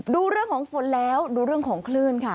ดูเรื่องของฝนแล้วดูเรื่องของคลื่นค่ะ